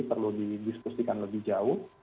perlu didiskusikan lebih jauh